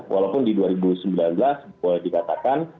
walaupun di dua ribu sembilan belas boleh dikatakan